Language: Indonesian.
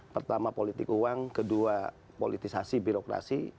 pertama politik uang kedua politisasi birokrasi